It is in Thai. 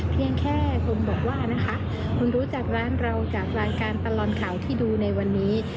เพียงแค่คุณบอกว่านะคะคุณรู้จักร้านเราจากรายการตลอดข่าวที่ดูในวันนี้